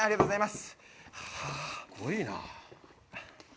すごいな。